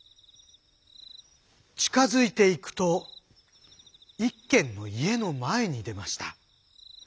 近づいていくと１軒の家の前に出ました。